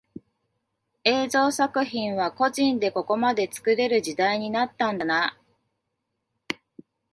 映像作品は個人でここまで作れる時代になったんだな